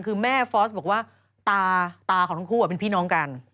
คือแม่ฟอสบอกว่าตาตาของทั้งคู่เป็นพี่น้องกัน